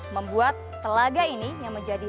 membuat telaga ini yang menjadi